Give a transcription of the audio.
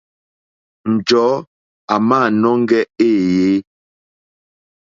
Njɔ̀ɔ́ àmǎnɔ́ŋgɛ̄ éèyé.